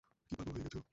কি পাগল হয়ে গেছো?